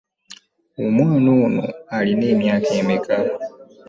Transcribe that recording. Omwana oyo alina emyaka emeka?